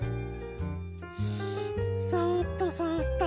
そっとそっと。